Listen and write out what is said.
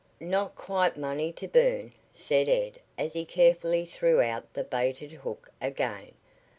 "Not quite money to burn," said Ed as he carefully threw out the baited hook again.